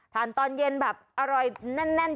ตอนเย็นแบบอร่อยแน่น